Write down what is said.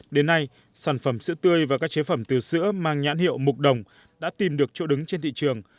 đến nay sản phẩm sữa tươi và các chế phẩm từ sữa mang nhãn hiệu mục đồng đã tìm được chỗ đứng trên thị trường